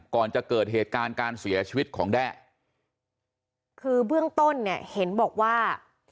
ก่อนจะเกิดเหตุการณ์การเสียชีวิตของแด้คือเบื้องต้นเนี่ยเห็นบอกว่า